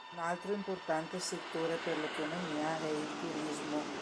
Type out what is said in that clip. Un altro importante settore per l'economia è il turismo.